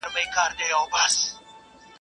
خلګو به د هغې كوشني كوشني بتان جوړول